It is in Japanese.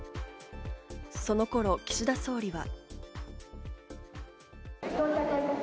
その頃、岸田総理は。